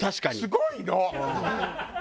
すごいの！